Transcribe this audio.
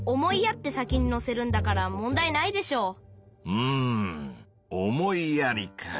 うん「思いやり」か。